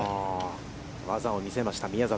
技を見せました宮里。